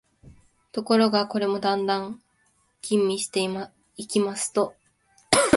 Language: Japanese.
ところが、これもだんだん吟味していきますと、